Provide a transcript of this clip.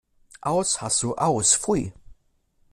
Aus! Hasso, aus! Pfui!